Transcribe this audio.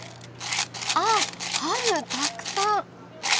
あっハムたくさん。